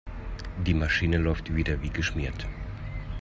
Die Maschine läuft wieder wie geschmiert.